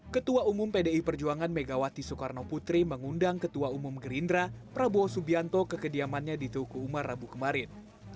ketua umum pdi perjuangan megawati soekarno putri mengundang ketua umum gerindra prabowo subianto ke kediamannya di tuku umar rabu kemarin